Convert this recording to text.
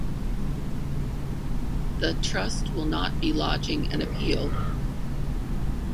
The trust will not be lodging an appeal.